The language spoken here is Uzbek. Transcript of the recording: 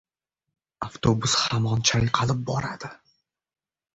Avtobus hamon chayqalib boradi.